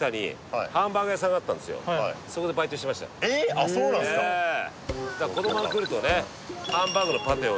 あっそうなんすかええ